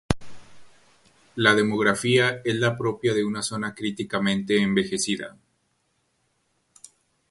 La demografía es la propia de una zona críticamente envejecida.